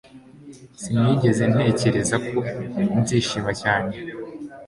Sinigeze ntekereza ko nzishima cyane